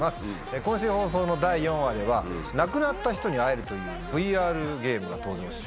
今週放送の第４話では亡くなった人に会えるというＶＲゲームが登場します。